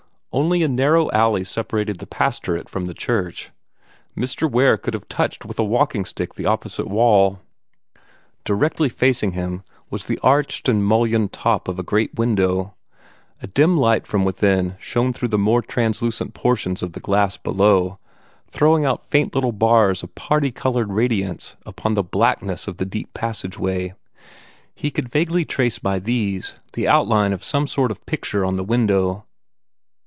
Only a narrow alley separated the pastorate from the church; Mr. Ware could have touched with a walking stick the opposite wall. Indirectly facing him was the arched and mullioned top of a great window. A dim light from within shone through the more translucent portions of the glass below, throwing out faint little bars of party colored radiance upon the blackness of the deep passage way. He could vaguely trace by these the outlines of some sort of picture on the window.